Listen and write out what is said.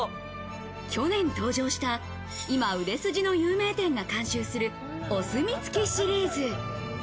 去年登場した今売れ筋の有名店が監修するお墨付きシリーズ。